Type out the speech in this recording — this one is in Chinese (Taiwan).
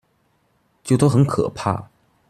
就都很可怕